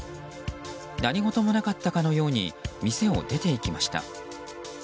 何事もなかったかのように店を出て行きました。